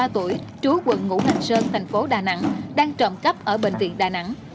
ba mươi tuổi trú quận ngũ hành sơn thành phố đà nẵng đang trộm cắp ở bệnh viện đà nẵng